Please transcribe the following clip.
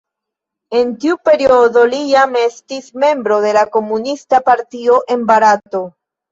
En tiu periodo li jam estis membro de la Komunista Partio de Barato.